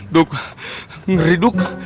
duk ngeri duk